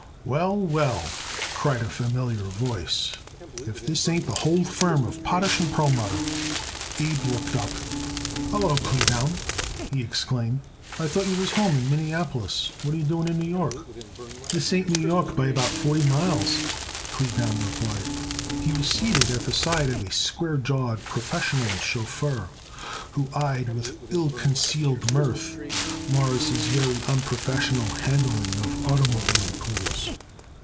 "Well, well," cried a familiar voice, "if this ain't the whole firm of Potash & Perlmutter." Abe looked up. "Hallo, Kleebaum," he exclaimed, "I thought you was home in Minneapolis. What are you doing in New York?" "This ain't New York by about forty miles," Kleebaum replied. He was seated at the side of a square jawed professional chauffeur who eyed with ill concealed mirth Morris' very unprofessional handling of automobile tools.